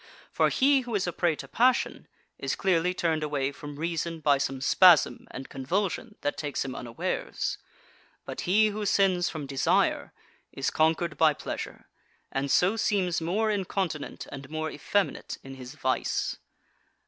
For he who is a prey to passion is clearly turned away from reason by some spasm and convulsion that takes him unawares. But he who sins from desire is conquered by pleasure, and so seems more incontinent and more effeminate in his vice.